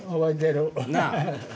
なあ。